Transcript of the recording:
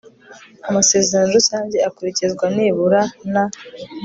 Amasezerano rusange akurikizwa nibura na